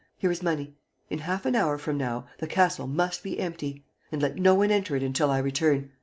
Here is money. In half an hour from now, the castle must be empty. And let no one enter it until I return.